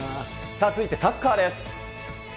さあ、続いてサッカーです。